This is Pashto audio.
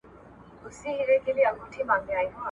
د مختلفو عواملو له مخي، وېره لري !.